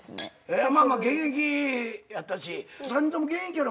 現役やったし３人とも現役やろ？